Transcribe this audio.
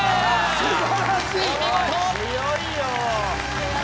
素晴らしいお見事・強いよ